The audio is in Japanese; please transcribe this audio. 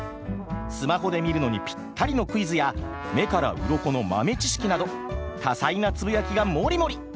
スマホで見るのにぴったりのクイズや目からうろこの豆知識など多彩なつぶやきがもりもり！